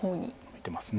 見てます。